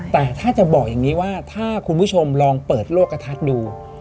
แต่ถ้าจะบอกอย่างนี้ว่าถ้าคุณผู้ชมลองเปิดโลกกระทัดดู